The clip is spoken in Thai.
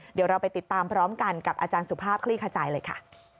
เดี๋ยวเราไปติดตามพร้อมกันกับอาจารย์สุภาพคลี่ขจายเลยค่ะ